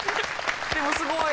でもすごい。